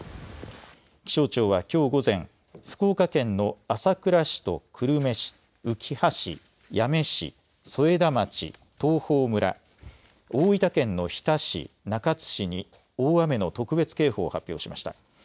気象庁はきょう午前、福岡県の朝倉市と久留米市、うきは市、八女市、添田町、東峰村、大分県の日田市、中津市に大雨の特別警報を発表しました。